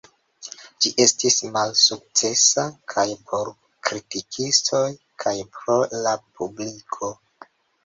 Ĝi estis malsukcesa kaj por kritikistoj kaj por la publiko.